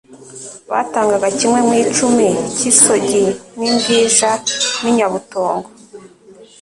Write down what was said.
Batangaga ''kimwe mu icumi cy'isogi n'imbwija n'inyabutongo